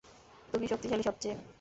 তুমিই শক্তিশালী সবচেয়ে।